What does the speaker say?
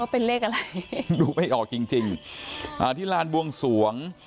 เป็นเลขอะไรดูไม่ออกจริงจริงอ่าที่ลานบวงสวง